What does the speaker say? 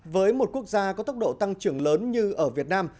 với một quốc gia có tốc độ tăng trưởng lớn như ở việt nam